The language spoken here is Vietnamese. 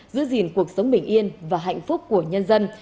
giữ gìn cuộc sống bình yên và hạnh phúc của nhân dân